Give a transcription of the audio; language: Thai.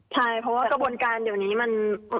ใช่เพราะว่ากระบวนการเดี๋ยวนี้มัน